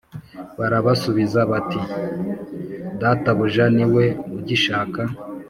Barabasubiza bati Databuja ni we ugishaka